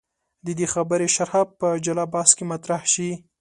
د دې خبرې شرحه په جلا بحث کې مطرح شي.